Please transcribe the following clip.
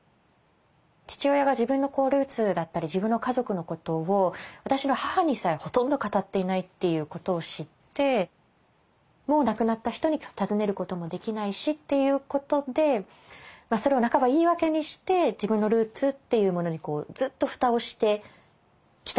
父親が自分のルーツだったり自分の家族のことを私の母にさえほとんど語っていないっていうことを知ってもう亡くなった人に尋ねることもできないしっていうことでそれを半ば言い訳にして自分のルーツっていうものにずっと蓋をしてきたんですよね